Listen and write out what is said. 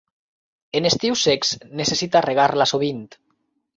En estius secs necessita regar-la sovint.